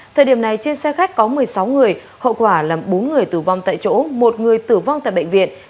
thời điểm này trên xe khách có một mươi sáu người hậu quả làm bốn người tử vong tại chỗ một người tử vong tại bệnh viện